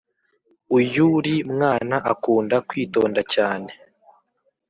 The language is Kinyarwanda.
uyuri mwana akunda kw’ itonda cyane